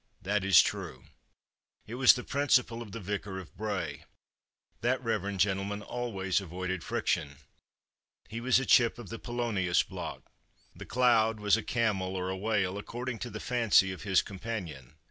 That is true. It was the principle of the Vicar of Bray. That reverend gentleman always avoided friction. He was a chip of the Polonius block. The cloud was a camel or a whale, according to the fancy of his companion.